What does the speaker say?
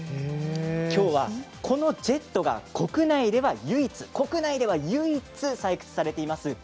きょうは、このジェットが国内では唯一、採掘されています